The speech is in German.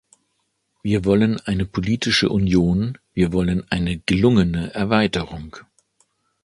Wir wollen eine politische Union, wir wollen eine gelungene Erweiterung.